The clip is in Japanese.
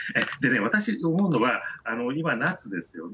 私思うのは、今、夏ですよね。